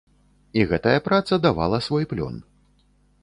І гэтая праца давала свой плён.